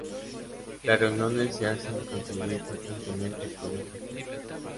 Las reuniones se hacen coincidir frecuentemente con esas fechas.